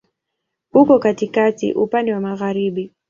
Uko katikati, upande wa magharibi.